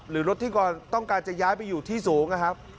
หรือรถที่ก่อนต้องการจะย้ายไปอยู่ที่สูง